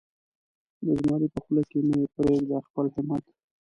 د زمري په خوله کې مه پرېږده خپل همت.